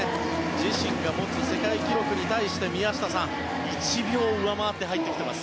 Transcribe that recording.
自身が持つ世界記録に対して宮下さん、１秒上回って入ってきています。